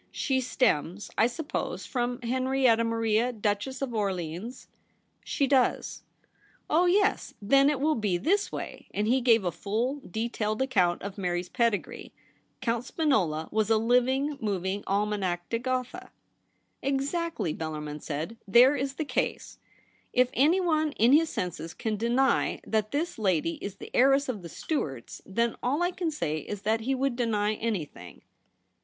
* She stems, I suppose, from Henrietta Maria, Duchess of Orleans ?'' She does.' 136 THE REBEL ROSE. * Oh yes ; then it will be this way,' and he gave a full detailed account of Mary's pedi gree. Count Spinola was a living, moving ' Almanac de Gotha.' ' Exactly,' Bellarmin said ;' there is the case. If anyone in his senses can deny that this lady is the heiress of the Stuarts, then all I can say is that he would deny any thing.'